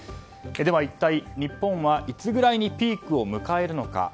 では一体日本はいつぐらいにピークを迎えるのか。